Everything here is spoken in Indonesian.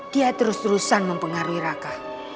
dia terus terusan mempengaruhi raka